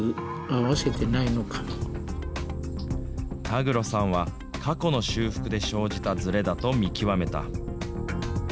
田畔さんは、過去の修復で生じたずれだと見極めた。